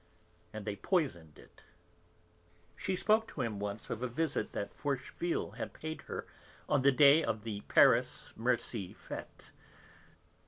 And they poisoned it. She spoke to him once of a visit that Forcheville had paid her on the day of the Paris Murcie Fête.